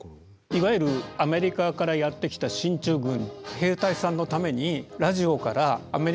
いわゆるアメリカからやって来た進駐軍兵隊さんのためにラジオからアメリカ本国と同じ番組が流れる。